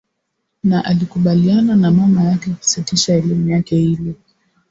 Na alikubaliana na mama yake kusitisha elimu yake ili